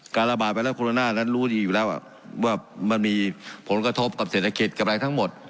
ระบาดไวรัสโคโรนานั้นรู้ดีอยู่แล้วว่ามันมีผลกระทบกับเศรษฐกิจกับอะไรทั้งหมด